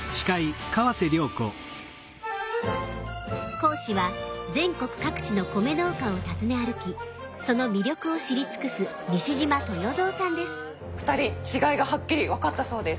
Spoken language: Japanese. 講師は全国各地の米農家を訪ね歩きその魅力を知り尽くす二人違いがはっきりわかったそうです。